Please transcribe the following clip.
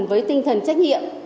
với tinh thần trách nhiệm